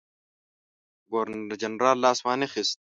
ګورنرجنرال لاس وانه خیست.